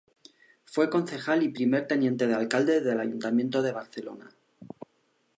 Fue concejal y primer teniente de alcalde del Ayuntamiento de Barcelona.